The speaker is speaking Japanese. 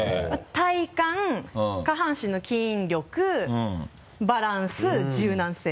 体幹下半身の筋力バランス柔軟性。